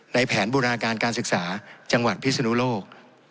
แผนบูรณาการการศึกษาจังหวัดพิศนุโลก